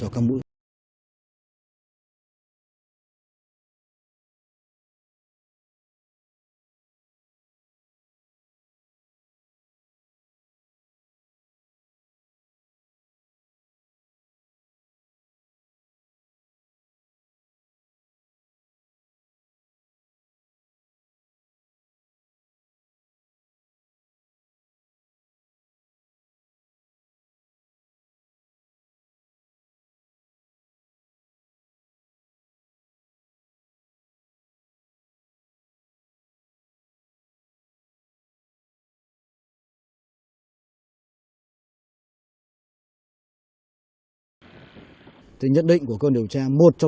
cho các mũi